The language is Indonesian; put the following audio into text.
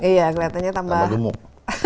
iya kelihatannya tambah gemuk